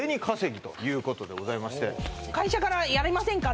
会社からやりませんか？